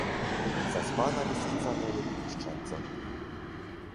Zaspana lisica ne ulovi piščancev.